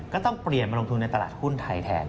ก็ต้องเปลี่ยนมาลงทุนในตลาดหุ้นไทยแทน